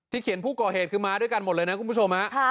เขียนผู้ก่อเหตุคือมาด้วยกันหมดเลยนะคุณผู้ชมฮะ